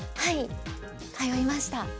はい通いました。